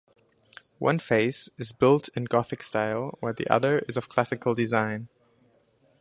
One face is built in Gothic style, while the other is of Classical design.